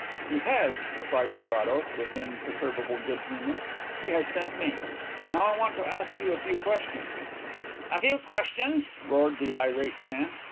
"He has," replied Carrados, with imperturbable good humour; "he has sent me. Now, I want to ask you a few questions." "A few questions!" roared the irate man.